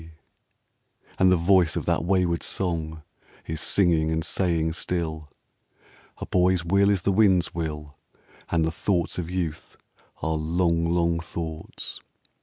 RAINBOW GOLD And the voice of that wayward song Is singing and saying still: "A boy's will is the wind's will, And the thoughts of youth are long, long thoughts."